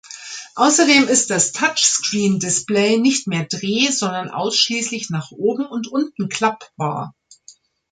Außerdem ist das Touchscreen-Display nicht mehr dreh-, sondern ausschließlich nach oben und unten klappbar.